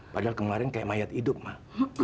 padahal kemarin kayak mayat hidup mah